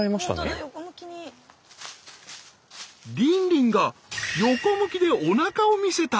リンリンが横向きでおなかを見せた。